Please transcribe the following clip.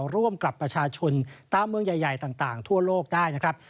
ร่วมกับประชาชนตามเมืองใหญ่ต่างทั่วโลกได้นะครับ